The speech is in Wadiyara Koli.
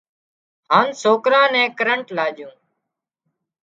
هانَ سوڪرا نين ڪرنٽ لاڄون